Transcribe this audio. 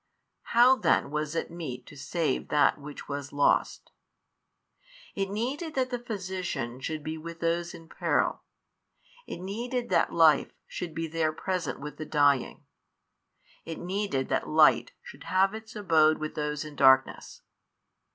How then was it meet to save that which was lost? it needed that the Physician should be with those in peril, it needed that Life should be there present with the dying, it needed that Light should have its abode with those in darkness.